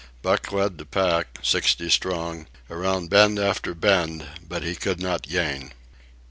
Buck led the pack, sixty strong, around bend after bend, but he could not gain.